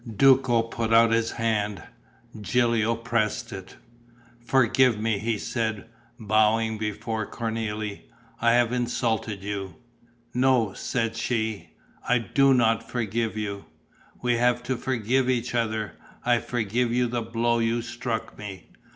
Duco put out his hand; Gilio pressed it: "Forgive me," he said, bowing before Cornélie. "I have insulted you." "No," said she, "I do not forgive you." "We have to forgive each other. I forgive you the blow you struck me."